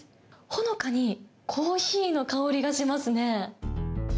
ほのかにコーヒーの香りがしますね。